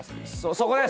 そこです